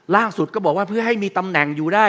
ล่าสุดก็บอกว่าเพื่อให้มีตำแหน่งอยู่ได้